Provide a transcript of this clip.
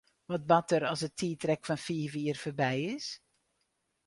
Wat bart der as it tiidrek fan fiif jier foarby is?